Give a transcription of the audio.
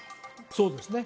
そうですね